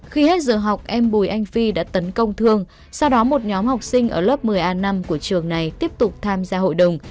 khi hết giờ học em bùi anh phi đã tấn công thương sau đó một nhóm học sinh ở lớp một mươi a năm của trường này tiếp tục tham gia hội đồng